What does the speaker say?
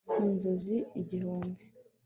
mu nzozi igihumbi